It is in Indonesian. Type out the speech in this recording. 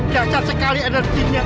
gak cari sekali energinya